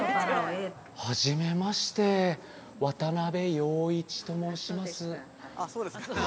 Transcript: はじめまして渡部陽一と申します